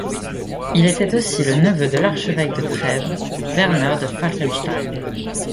Il était aussi le neveu de l'archevêque de Trèves, Werner de Falkenstein.